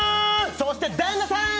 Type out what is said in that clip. そして旦那さん！